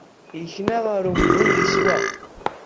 Yekna ɣer umdun yeswa.